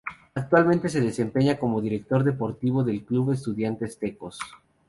Actualmente se desempeña como Director deportivo del club Estudiantes Tecos.